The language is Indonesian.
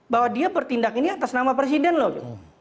bahwa dia bertindak ini atas nama presiden loh